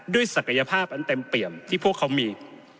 ศักยภาพอันเต็มเปี่ยมที่พวกเขามี